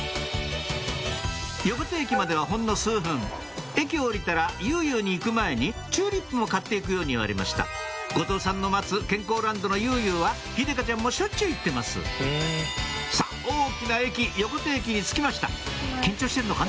横手駅まではほんの数分駅を降りたら「ゆうゆう」に行く前にチューリップも買って行くように言われました後藤さんの待つ健康ランドの「ゆうゆう」は秀香ちゃんもしょっちゅう行ってますさぁ大きな駅横手駅に着きました緊張してるのかな？